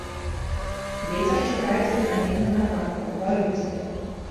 Вецер чакаецца пераменных напрамкаў, парывісты.